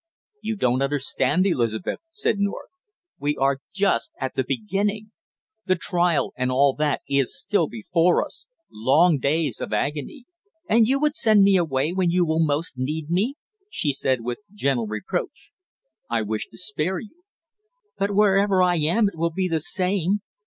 "You don't understand, Elizabeth!" said North. "We are just at the beginning. The trial, and all that, is still before us long days of agony " "And you would send me away when you will most need me!" she said, with gentle reproach. "I wish to spare you " "But wherever I am, it will be the same!"